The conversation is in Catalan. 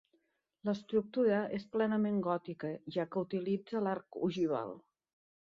L'estructura és plenament gòtica, ja que utilitza l'arc ogival.